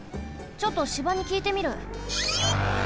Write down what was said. ちょっと芝にきいてみる。